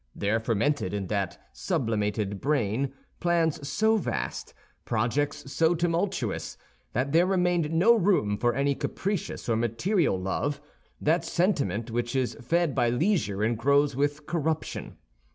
There fermented in that sublimated brain plans so vast, projects so tumultuous, that there remained no room for any capricious or material love—that sentiment which is fed by leisure and grows with corruption.